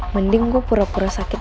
mending gue pura pura sakit